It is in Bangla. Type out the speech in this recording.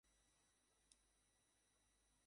দুই বছর ছিলেন তিনি ঘুংগাদিতে।